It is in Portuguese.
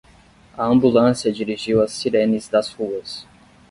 A ambulância dirigiu as sirenes das ruas.